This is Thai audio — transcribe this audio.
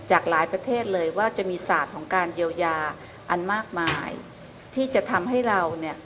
จากหลายประเทศเลยว่าจะมีศาสตร์ของการเยียวยาอันมากมายที่จะทำให้เราเนี่ย